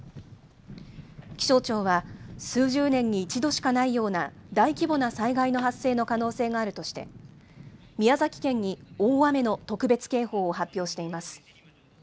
気象庁は数十年に一度しかないような大規模な災害の発生の可能性があるとして、宮崎県に大雨の特別警報を発表しています。